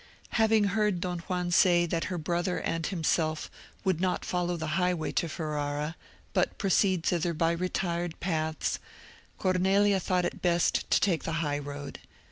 Having heard Don Juan say that her brother and himself would not follow the highway to Ferrara, but proceed thither by retired paths, Cornelia thought it best to take the high road.